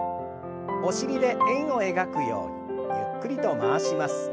お尻で円を描くようにゆっくりと回します。